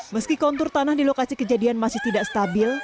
meski kontur tanah di lokasi kejadian masih tidak stabil